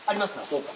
そうか。